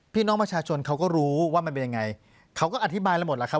พี่น้องประชาชนเขาก็รู้ว่ามันเป็นยังไงเขาก็อธิบายแล้วหมดแล้วครับ